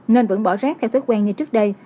nên vẫn bỏ rác theo thói quen như trước đây